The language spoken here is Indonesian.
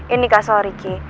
ini kak soal riki